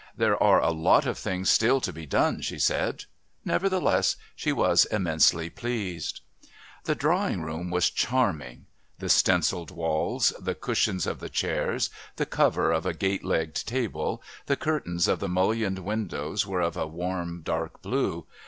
"There are a lot of things still to be done," she said; nevertheless she was immensely pleased. The drawing room was charming. The stencilled walls, the cushions of the chairs, the cover of a gate legged table, the curtains of the mullioned windows were of a warm dark blue.